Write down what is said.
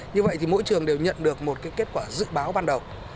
như vậy thì mỗi trường đều nhận được một kết quả dự báo ban đầu